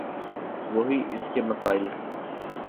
وہی اس کے مسائل۔